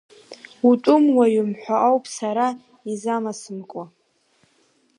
Утәымуаҩым ҳәа ауп сара изамасымкуа.